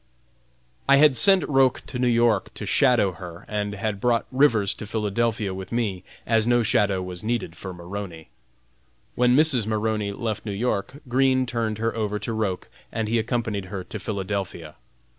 I had sent Roch to New York to "shadow" her and had brought Rivers to Philadelphia with me, as no shadow was needed for Maroney. When Mrs. Maroney left New York, Green turned her over to Roch and he accompanied her to Philadelphia.